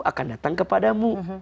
akan datang kepadamu